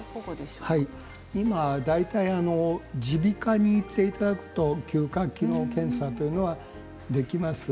今、大体耳鼻科に行っていただくと嗅覚機能検査というのはできます。